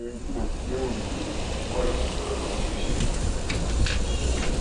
"Oj, szkoda Maciusia."